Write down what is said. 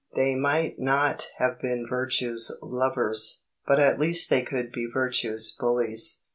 They might not have been virtue's lovers, but at least they could be virtue's bullies.